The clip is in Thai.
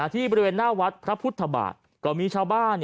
ที่บริเวณหน้าวัดพระพุทธบาทก็มีชาวบ้าน